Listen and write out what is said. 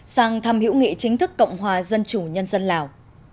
sang thăm hữu nghị chính thức cộng hòa dân chủ nhân dân lào